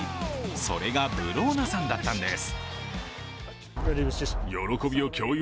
それがブローナさんだったんです。